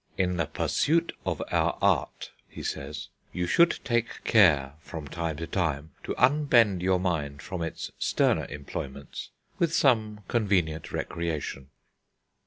"In the pursuit of our Art," he says, "you should take care, from time to time, to unbend your mind from its sterner employments with some convenient recreation."